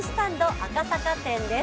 赤坂店です。